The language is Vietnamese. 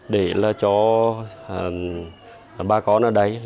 để là cho ba con ở đấy